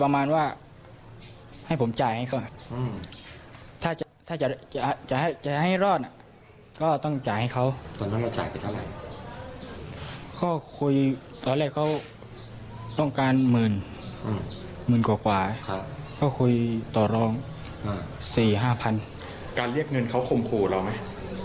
นั่นมันคือให้เด็กเงินเขาขมขู่เราไหม